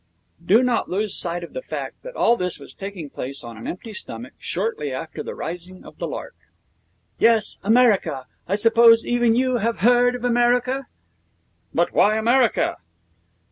Do not lose sight of the fact that all this was taking place on an empty stomach, shortly after the rising of the lark. 'Yes, America. I suppose even you have heard of America?' 'But why America?'